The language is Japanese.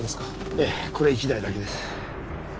ええこれ１台だけです。